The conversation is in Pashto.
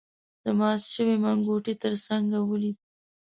د مات شوی منګوټي تر څنګ ولید.